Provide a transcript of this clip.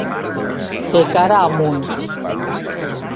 De cara amunt.